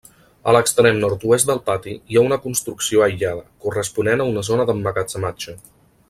A l'extrem nord-oest del pati hi ha una construcció aïllada, corresponent a una zona d'emmagatzematge.